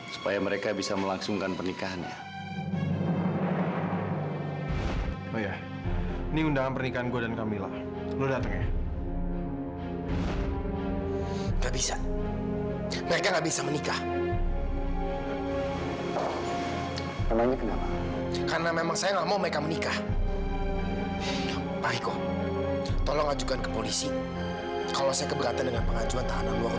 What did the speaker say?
sampai jumpa di video selanjutnya